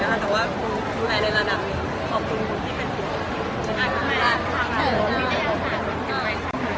หวานพิษะกัน